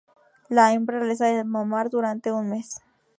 La hembra les da de mamar durante un mes.